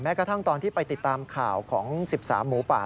กระทั่งตอนที่ไปติดตามข่าวของ๑๓หมูป่า